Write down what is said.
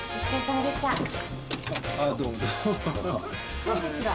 失礼ですが。